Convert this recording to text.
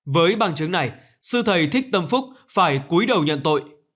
với bằng chứng này sư thầy thích tâm phúc phải cuối đầu nhận tội